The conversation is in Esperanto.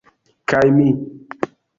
Kaj mi